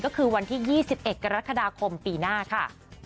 ก็คือวันที่๒๑กรกฎาคมปีหน้าค่ะ